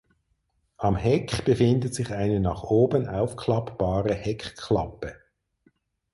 Am Heck befindet sich eine nach oben aufklappbare Heckklappe.